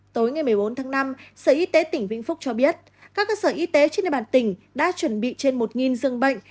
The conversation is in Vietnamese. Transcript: tối ngày một mươi bốn tháng năm sở y tế tỉnh vĩnh phúc cho biết các cơ sở y tế trên địa bàn tỉnh đã chuẩn bị trên một dương bệnh